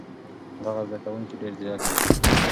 دغه زده کوونکی ډېر ځیرک دی.